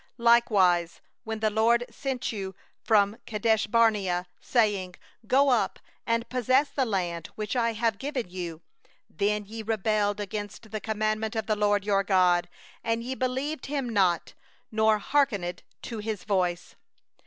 23And when the LORD sent you from Kadesh barnea, saying: 'Go up and possess the land which I have given you'; then ye rebelled against the commandment of the LORD your God, and ye believed Him not, nor hearkened to His voice.